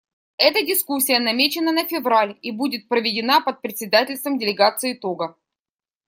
Эта дискуссия намечена на февраль и будет проведена под председательством делегации Того.